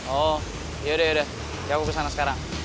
oh yaudah yaudah aku kesana sekarang